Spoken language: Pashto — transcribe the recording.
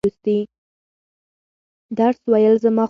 درس ویل زما خوښ دي.